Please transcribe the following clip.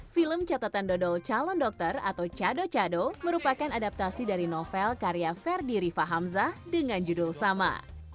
film catatan dodol calon dokter atau cado cado merupakan adaptasi dari novel karya ferdi rifa hamzah dengan judul sama